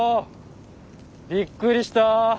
びっくりした。